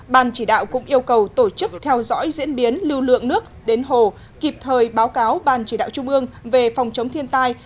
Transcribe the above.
ban chỉ đạo cũng yêu cầu tổ chức theo dõi diễn biến lưu lượng nước đến hồ kịp thời báo cáo ban chỉ đạo trung ương về phòng chống thiên tai